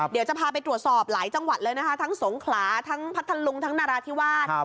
เดี๋ยวจะพาไปตรวจสอบหลายจังหวัดเลยนะคะทั้งสงขลาทั้งพัทธลุงทั้งนราธิวาส